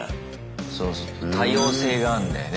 そうそう多様性があんだよね